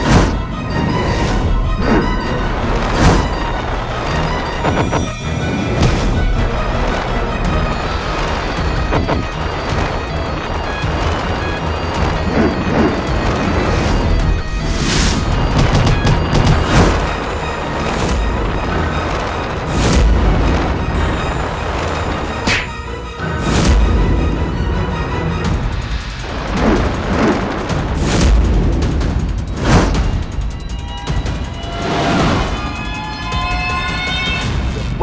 aku harus mencari tempat yang lebih aman